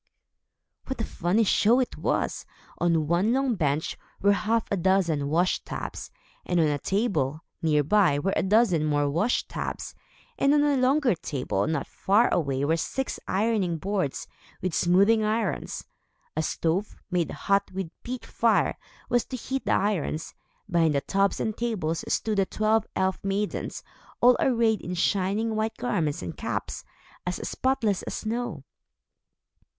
What a funny show it was! On one long bench, were half a dozen washtubs; and on a table, near by, were a dozen more washtubs; and on a longer table not far away were six ironing boards, with smoothing irons. A stove, made hot with a peat fire, was to heat the irons. Behind the tubs and tables, stood the twelve elf maidens, all arrayed in shining white garments and caps, as spotless as snow.